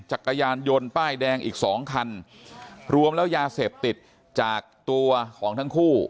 จักรยานยนต์ป้ายแดงอีกสองคันรวมแล้วยาเสพติดจากตัวของทั้งคู่